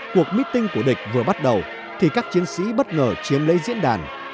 cuộc bít tinh của địch vừa bắt đầu thì các chiến sĩ bất ngờ chiến lấy diễn đàn